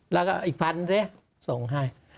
แล้วก็อีกพันสิส่งให้